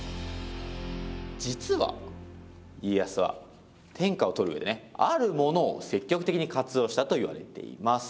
実は家康は天下を取る上でねあるものを積極的に活用したといわれています。